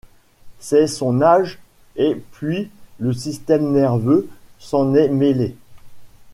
C’est son âge, et puis le système nerveux s’en est mêlé.